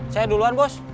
saya duluan bos